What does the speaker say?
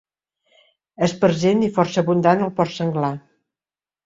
És present i força abundant el porc senglar.